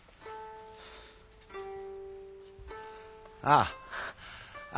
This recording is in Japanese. ・ああ。